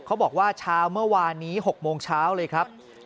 เขาบอกว่าเช้าเมื่อวานนี้๖โมงเช้าเลยครับ